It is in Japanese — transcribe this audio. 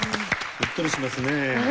うっとりですね。